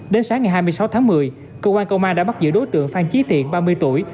đến sáng ngày hai mươi sáu tháng một mươi công an công an đã bắt giữ đối tượng phan chí thiện ba mươi tuổi